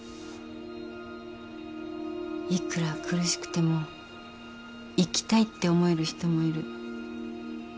いくら苦しくても生きたいって思える人もいる。